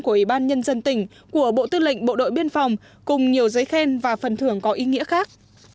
của ủy ban nhân dân tỉnh của bộ tư lệnh bộ đội biên phòng cùng nhiều giấy khen và phần thưởng có ý nghĩa khác